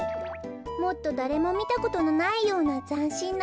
もっとだれもみたことのないようなざんしんな